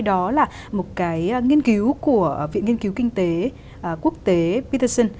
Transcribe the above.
đó là một cái nghiên cứu của viện nghiên cứu kinh tế quốc tế peterson